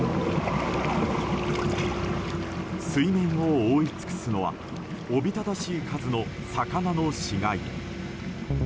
水面を覆い尽くすのはおびただしい数の魚の死骸。